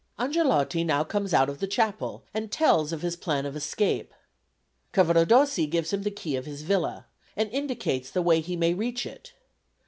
Angelotti now comes out of the chapel and tells of his plan of escape. Cavaradossi gives him the key of his villa, and indicates the way he may reach it.